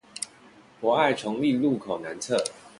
博愛重立路口南側